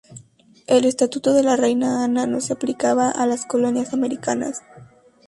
El Estatuto de la reina Ana no se aplicaba a las colonias americanas.